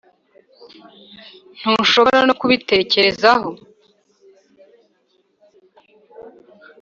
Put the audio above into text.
ntushobora no kubitekerezaho